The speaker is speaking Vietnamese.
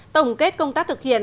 tổng kết công tác thực hiện